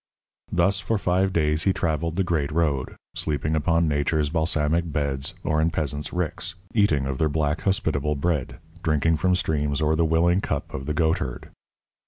Thus for five days he travelled the great road, sleeping upon Nature's balsamic beds or in peasants' ricks, eating of their black, hospitable bread, drinking from streams or the willing cup of the goatherd.